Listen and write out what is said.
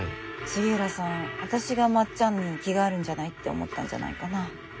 杉浦さん私がまっちゃんに気があるんじゃないって思ったんじゃないかな？